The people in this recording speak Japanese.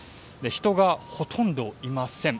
人がほとんどいません。